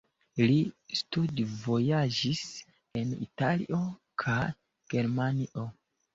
Li studvojaĝis en Italio kaj Germanio.